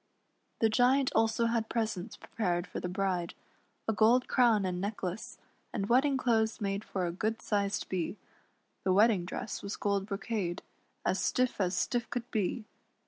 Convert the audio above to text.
The Giant also had presents prepared for the bride, a gold crown and necklace, and wedding clothes made for a good sized Bee; the wedding dress was gold brocade, as stiff as stiff could be.